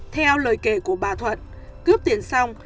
theo lời kể của bà thuận cướp tiền xong